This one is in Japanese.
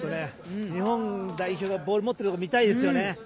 日本代表がボール持っているところ見たいですよね。